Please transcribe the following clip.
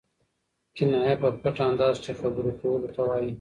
کنایه په پټ انداز کښي خبرو کولو ته وايي.